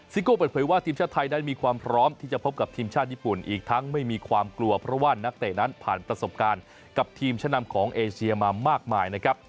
โก้เปิดเผยว่าทีมชาติไทยนั้นมีความพร้อมที่จะพบกับทีมชาติญี่ปุ่นอีกทั้งไม่มีความกลัวเพราะว่านักเตะนั้นผ่านประสบการณ์กับทีมชะนำของเอเชียมามากมายนะครับ